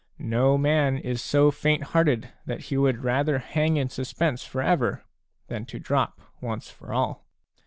No man is so faint hearted that he would rather hang in suspense for ^rer than drop once for all.